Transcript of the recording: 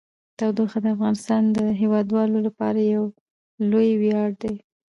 تودوخه د افغانستان د هیوادوالو لپاره یو لوی ویاړ دی.